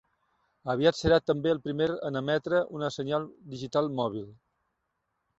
Aviat serà també el primer en emetre una senyal digital mòbil.